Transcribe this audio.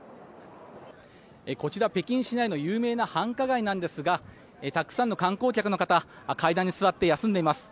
こちら北京市内の有名な繁華街なんですがたくさんの観光客の方階段に座って休んでいます。